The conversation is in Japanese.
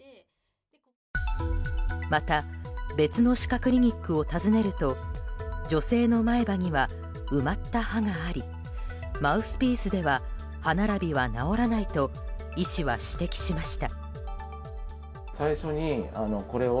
また、別の歯科クリニックを訪ねると女性の前歯には埋まった歯がありマウスピースでは歯並びは治らないと医師は指摘しました。